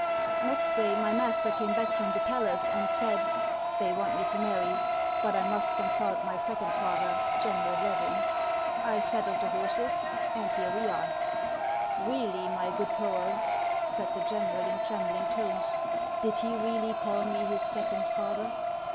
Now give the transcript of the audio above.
Xext day my master came back from the palace and said: 'They want me to marry ; but I must consult my second 46 HANS OF ICELAND. father, General Levin.' I saddled the horses, and here •we are." " lieally, my good Poel," said the general, in trembling tones, " did he really call me his second father